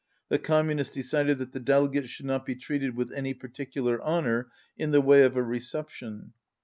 The Com munists decided that the delegates should not be treated with any particular honour in the way of a reception.